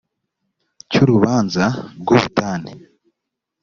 cy urubanza rw ubutane